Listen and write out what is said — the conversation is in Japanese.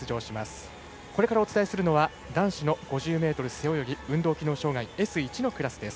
これからお伝えするのは男子５０ｍ背泳ぎ運動機能障がいＳ１のクラスです。